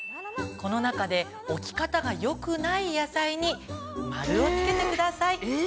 この中で置き方がよくない野菜に丸をつけてください。